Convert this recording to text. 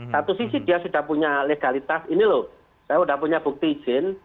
satu sisi dia sudah punya legalitas ini loh saya sudah punya bukti izin